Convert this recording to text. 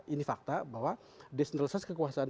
ini fakta bahwa desentralisasi kekuasaan